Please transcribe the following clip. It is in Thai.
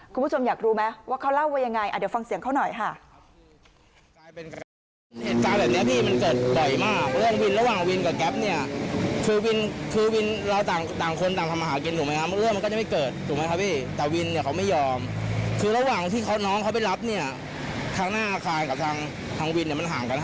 คุณผู้ชมอยากรู้ไหมว่าเขาเล่าว่ายังไงเดี๋ยวฟังเสียงเขาหน่อยค่ะ